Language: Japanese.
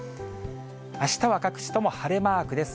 あしたは各地とも晴れマークです。